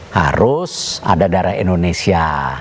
harus ada darah indonesia